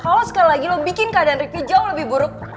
kalau sekali lagi lo bikin keadaan ricky jauh lebih buruk